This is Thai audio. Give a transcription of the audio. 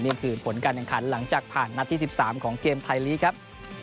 นี่คือผลการแข่งขันหลังจากผ่านนัดที่๑๓ของเกมไทยลีกครับ